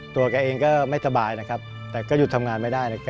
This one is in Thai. แกเองก็ไม่สบายนะครับแต่ก็หยุดทำงานไม่ได้